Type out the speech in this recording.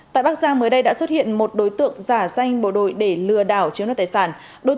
tại bắc giang mới đây đã xuất hiện một đối tượng giả danh bộ đội để lừa đảo chiếu nọ tài sản